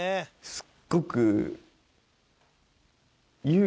すっごく。